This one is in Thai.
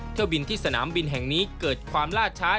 เที่ยวบินที่สนามบินแห่งนี้เกิดความล่าช้า